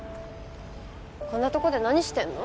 こんなとこで何してるの？